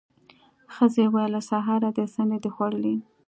ښځې وويل: له سهاره دې څه نه دي خوړلي.